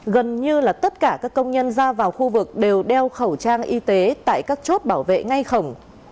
gần như là tất cả các công nhân ra vào khu vực đều đeo khẩu trang y tế tại các chốt bảo vệ ngay khổng